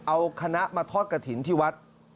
เอาคณะมาทอดกระถิ่นที่วัด